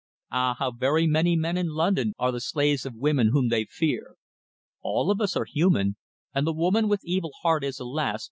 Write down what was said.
Ah! How very many men in London are the slaves of women whom they fear. All of us are human, and the woman with evil heart is, alas!